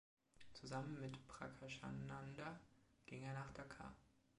Zusammen mit Prakashananda ging er nach Dhaka.